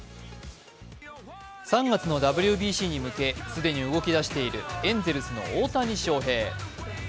３月のＷＢＣに向け既に動き出しているエンゼルスの大谷翔平。